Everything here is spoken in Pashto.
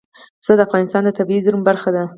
پسه د افغانستان د طبیعي زیرمو برخه ده.